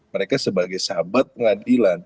mereka sebagai sahabat pengadilan